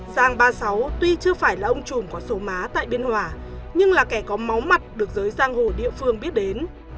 sang ba mươi sáu tuy chưa phải là ông chùm có số má tại biên hòa nhưng là kẻ có máu mặt được giới giang hồ địa phương biết đến